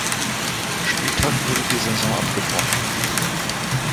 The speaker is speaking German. Spieltag wurde die Saison abgebrochen.